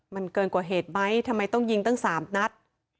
มันเกินกว่าเหตุไหมทำไมต้องยิงตั้ง๓นัด